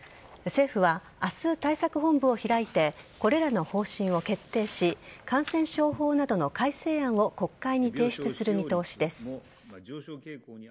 政府は明日、対策本部を開いてこれらの方針を決定し感染症法などの改正案を国会に提出する見通しです。